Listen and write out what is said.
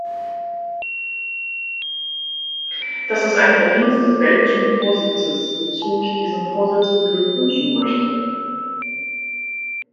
Das ist ein Verdienst des belgischen Vorsitzes, wozu ich diesen Vorsitz beglückwünschen möchte.